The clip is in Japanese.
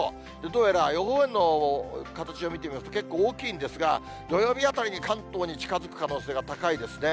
どうやら予報円の形を見てみますと、結構、大きいんですが、土曜日あたりに関東に近づく可能性が高いですね。